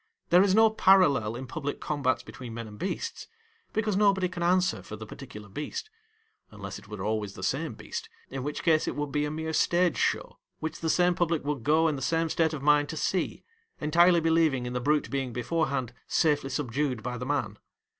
There is no parallel in public combats between men and beasts, because nobody can answer for the particular beast — unless it were always the same beast, in which case it would be a mere stage show, which the same public would go in the same state of mind to see, entirely believing in the brute being before hand safely subdued by the man.